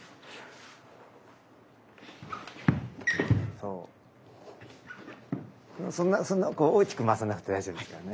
そんなそんな大きく回さなくて大丈夫ですからね。